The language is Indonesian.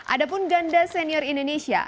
ada pun ganda senior indonesia